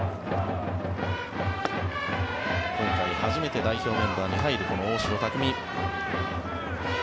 今回初めて代表メンバーに入る大城卓三。